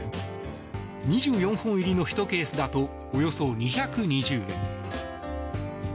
２４本入りの１ケースだとおよそ２２０円。